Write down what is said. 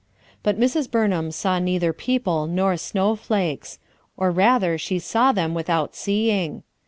But Mrs. Burnham saw neither people nor snowflakes; or rather she saw them without seeing.